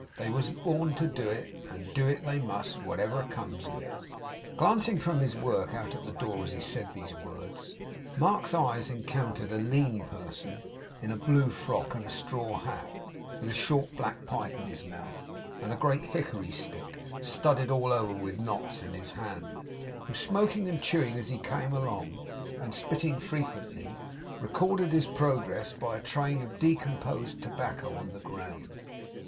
They was born to do it, and do it they must, whatever comes of it.' Glancing from his work out at the door as he said these words, Mark's eyes encountered a lean person in a blue frock and a straw hat, with a short black pipe in his mouth, and a great hickory stick studded all over with knots, in his hand; who smoking and chewing as he came along, and spitting frequently, recorded his progress by a train of decomposed tobacco on the ground.